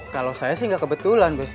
kalau saya sih nggak kebetulan